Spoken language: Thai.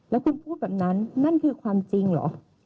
แล้วคุณพูดแบบนั้นนั่นคือความจริงเหรอ